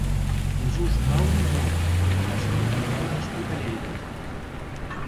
Jesús Mauri Mur va ser un pintor nascut a Lleida.